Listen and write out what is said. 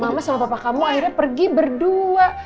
mama iya mama selalu papa kamu akhirnya pergi berdua